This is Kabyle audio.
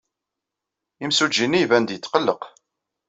Imsujji-nni iban-d yetqelleq.